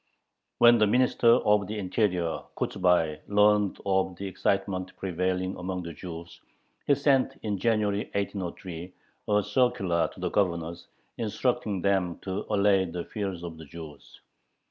When the Minister of the Interior, Kochubay, learned of the excitement prevailing among the Jews, he sent, in January, 1803, a circular to the governors, instructing them to allay the fears of the Jews.